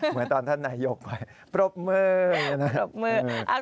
เหมือนตอนท่านนายยกไปปรบมืออย่างนั้น